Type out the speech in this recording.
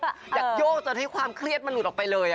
อยากโยกจนให้ความเครียดมันหลุดออกไปเลย